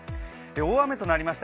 大雨となりました